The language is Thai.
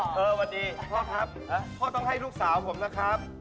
สวัสดีพ่อครับพ่อต้องให้ลูกสาวผมนะครับ